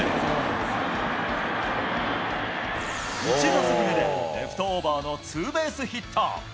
１打席目で、レフトオーバーのツーベースヒット。